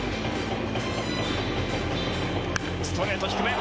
ストレート、低め。